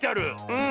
うん。